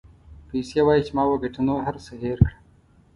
پیسې وایي چې ما وګټه نور هر څه هېر کړه.